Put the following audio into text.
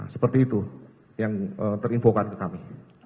seperti itu yang terinfokan ke kami